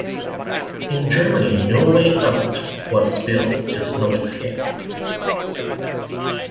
In Germany, No Way Out was billed as "No Escape".